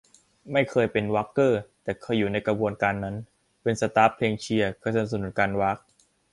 ไม่เคยเป็นว๊ากเกอร์ แต่เคยอยู่ในกระบวนการนั้น เป็นสต๊าฟเพลงเชียร์ เคยสนับสนุนการว๊าก